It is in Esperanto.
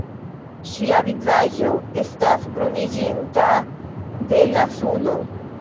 Ŝia vizaĝo estas bruniĝinta de la suno.